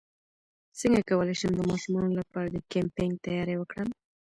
څنګه کولی شم د ماشومانو لپاره د کیمپینګ تیاری وکړم